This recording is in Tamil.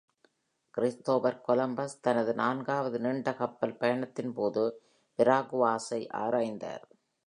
கிறிஸ்டோபர் கொலம்பஸ் தனது நான்காவது நீண்ட கப்பல் பயணத்தின் போது வெராகுவாஸை ஆராய்ந்தார்.